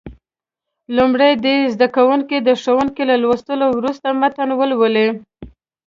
لومړی دې زده کوونکي د ښوونکي له لوستلو وروسته متن ولولي.